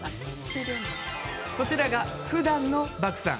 こちらが、ふだんのバクさん。